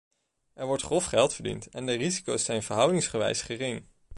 Er wordt grof geld verdiend, en de risico's zijn verhoudingsgewijs gering.